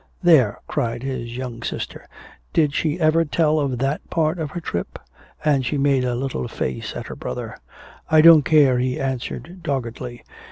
"There!" cried his young sister. "Did she ever tell of that part of her trip?" And she made a little face at her brother. "I don't care," he answered doggedly.